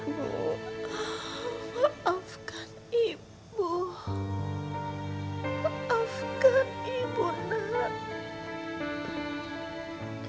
maafkan ibu maafkan ibu nak